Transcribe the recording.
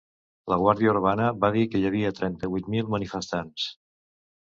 La guàrdia urbana va dir que hi havia trenta-vuit mil manifestants.